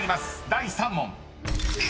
第３問］